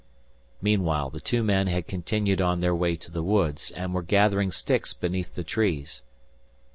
Meanwhile the two men had continued on their way to the woods, and were gathering sticks beneath the trees.